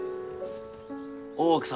大奥様